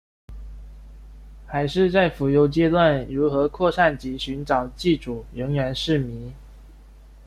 海虱在浮游阶段如何扩散及寻找寄主仍然是迷。